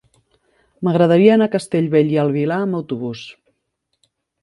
M'agradaria anar a Castellbell i el Vilar amb autobús.